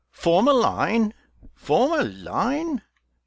" Form a line? form a line?